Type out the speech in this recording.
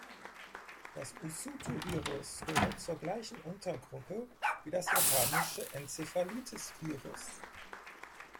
Das Usutu-Virus gehört zur gleichen Untergruppe wie das Japanische-Enzephalitis-Virus.